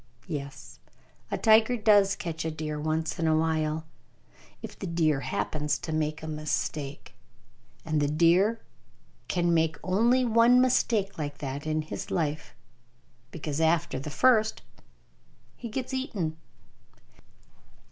Yes, a tiger does catch a deer once in a while, if the deer happens to make a mistake! And the deer can make only one mistake like that in his life, because after the first he gets eaten!